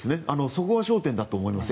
そこが焦点だと思います。